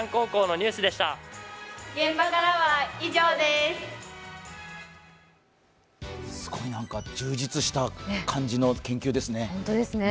すごい充実した感じの研究ですね。